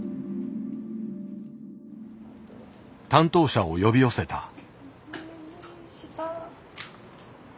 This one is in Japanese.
担当者を呼び寄せた。